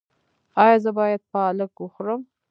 ایا زه باید پالک وخورم؟